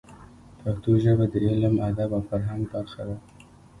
پښتو ژبه د علم، ادب او فرهنګ برخه ده.